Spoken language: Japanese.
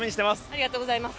ありがとうございます。